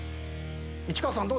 市川さん